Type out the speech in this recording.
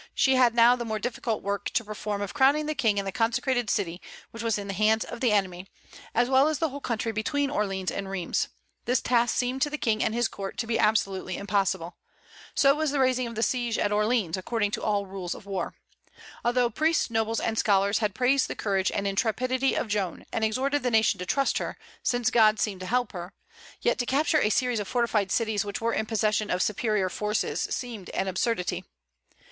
She had now the more difficult work to perform of crowning the King in the consecrated city, which was in the hands of the enemy, as well as the whole country between Orleans and Rheims. This task seemed to the King and his court to be absolutely impossible. So was the raising of the siege of Orleans, according to all rules of war. Although priests, nobles, and scholars had praised the courage and intrepidity of Joan, and exhorted the nation to trust her, since God seemed to help her, yet to capture a series of fortified cities which were in possession of superior forces seemed an absurdity.